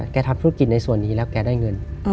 ทำธุรกิจในส่วนนี้แล้วแกได้เงิน